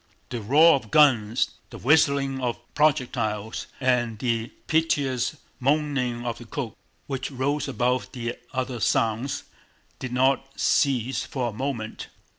The roar of guns, the whistling of projectiles, and the piteous moaning of the cook, which rose above the other sounds, did not cease for a moment.